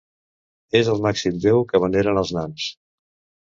És el màxim déu que veneren els nans.